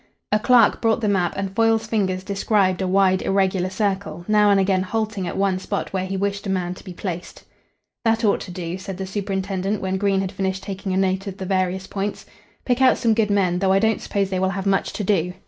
A clerk brought the map, and Foyle's fingers described a wide, irregular circle, now and again halting at one spot where he wished a man to be placed. "That ought to do," said the superintendent when Green had finished taking a note of the various points. "Pick out some good men, though I don't suppose they will have much to do.